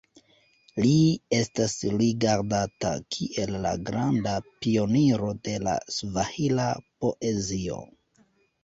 Li estas rigardata kiel la granda pioniro de la svahila poezio.